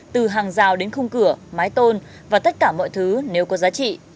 từ hàng rào đến khung cửa mái tôn và tất cả mọi thứ nếu có giá trị